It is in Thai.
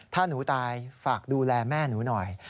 ถ้าหนูตายฝากดูแลแม่หนูหน่อย